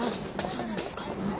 そうなんですか？